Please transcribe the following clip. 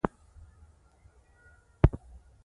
ای د وطن ښکليه، ګل اوسې او تل اوسې